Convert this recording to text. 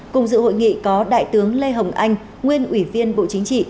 cùng dự hội nghị có đại tướng lê hồng anh nguyên ủy viên bộ chính trị